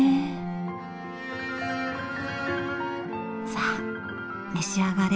さあ召し上がれ。